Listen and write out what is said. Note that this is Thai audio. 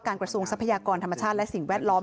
กระทรวงทรัพยากรธรรมชาติและสิ่งแวดล้อม